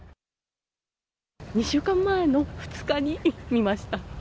２週間前の２日に見ました。